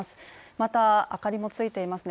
また、明かりもついていますね。